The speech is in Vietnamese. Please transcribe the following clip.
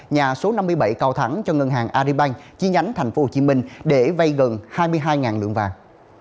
nhà số năm mươi bảy cao thắng cho ngân hàng aribank chi nhánh tp hcm để vay gần hai mươi hai lượng vàng